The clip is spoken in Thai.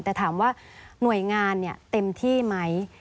แต่ถามว่าหน่วยงานเต็มที่ไหม